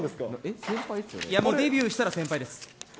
もうデビューしたら先輩です。